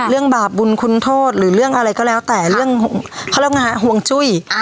บาปบุญคุณโทษหรือเรื่องอะไรก็แล้วแต่เรื่องเขาเรียกว่าห่วงจุ้ย